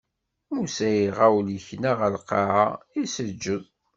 Musa iɣawel ikna ɣer lqaɛa, iseǧǧed.